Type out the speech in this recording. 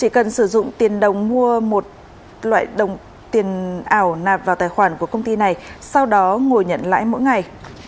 các mô hình ảo nạp vào tài khoản của công ty này sau đó ngồi nhận lại mỗi ngày